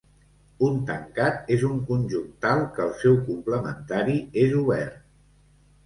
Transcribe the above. Un tancat és un conjunt tal que el seu complementari és obert.